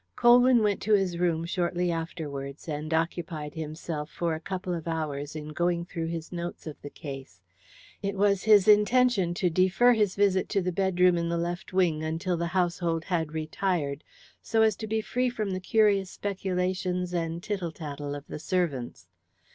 Colwyn went to his room shortly afterwards, and occupied himself for a couple of hours in going through his notes of the case. It was his intention to defer his visit to the bedroom in the left wing until the household had retired, so as to be free from the curious speculations and tittle tattle of the servants.